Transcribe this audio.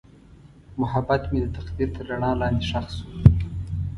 محبت مې د تقدیر تر رڼا لاندې ښخ شو.